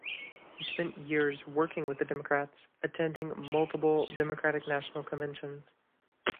He spent years working with the Democrats attending multiple Democratic National Conventions.